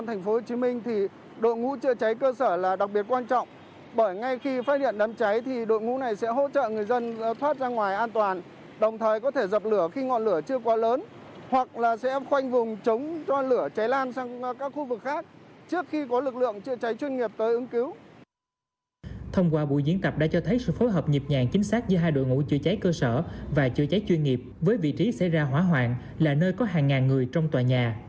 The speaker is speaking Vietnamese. thông qua buổi diễn tập đã cho thấy sự phối hợp nhịp nhàng chính xác giữa hai đội ngũ chữa cháy cơ sở và chữa cháy chuyên nghiệp với vị trí xảy ra hỏa hoạn là nơi có hàng ngàn người trong tòa nhà